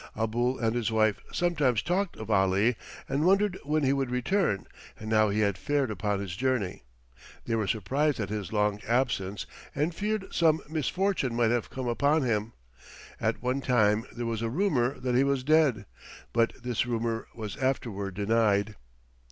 Abul and his wife sometimes talked of Ali and wondered when he would return and how he had fared upon his journey. They were surprised at his long absence and feared some misfortune might have come upon him. At one time there was a rumor that he was dead, but this rumor was afterward denied.